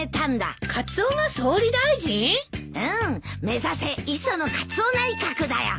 目指せ磯野カツオ内閣だよ。